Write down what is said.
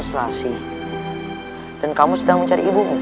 sambil kita mencari ibumu